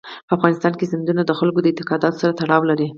په افغانستان کې سیندونه د خلکو د اعتقاداتو سره تړاو لري.